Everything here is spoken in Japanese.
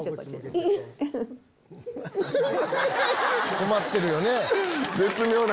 困ってるよね。